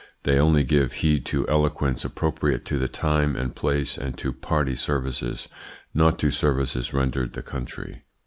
They only give heed to eloquence appropriate to the time and place and to party services, not to services rendered the country.